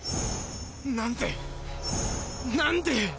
なんでなんで。